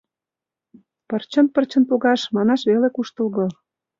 — Пырчын-пырчын погаш — манаш веле куштылго.